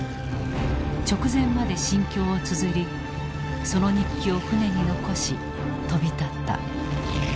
直前まで心境をつづりその日記を船に残し飛び立った。